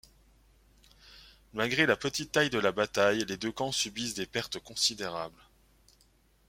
Malgré la petite taille de la bataille, les deux camps subissent des pertes considérables.